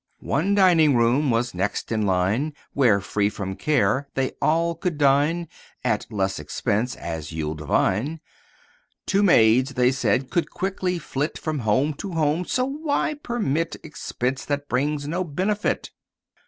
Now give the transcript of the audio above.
One dining room was next in line, Where, free from care, they all could dine At less expense, as you'll divine. "Two maids," they said, "could quickly flit From home to home, so why permit Expense that brings no benefit?"